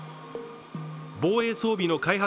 防衛装備の開発